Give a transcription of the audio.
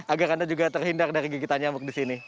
agar anda juga terhindar dari gigitan nyamuk disini